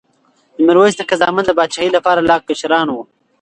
د میرویس نیکه زامن د پاچاهۍ لپاره لا کشران وو.